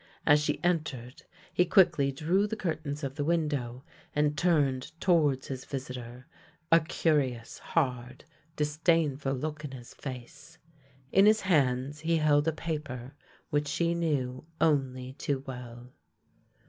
As she entered he quickly drew the curtains of the windows and turned towards his visitor, a curious, hard, disdainful look in 6o THE LANE THAT HAD NO TURNING his face. In his hands he held a paper which she knew only too well.